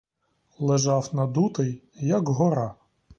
Лежав надутий, як гора.